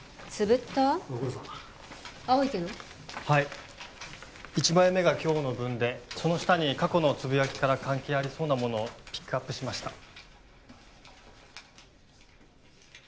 はい１枚目が今日の分でその下に過去のつぶやきから関係ありそうなものをピックアップしました